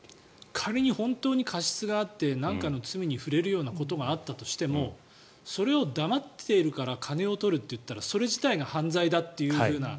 仮に本当に過失があって何かの罪に触れるようなことがあったとしてもそれをだまっているから金を取ると言ったらそれ自体が犯罪だというふうな。